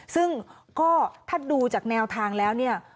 ซึ่งก็ถ้าดูจากแนวทางแล้วเนี่ย